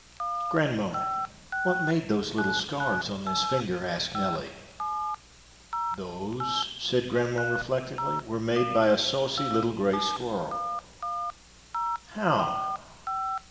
"Grandma, what made those little scars on this finger?" asked Nellie. "Those," said grandma, reflectively, "were made by a saucy little gray squirrel." "How?"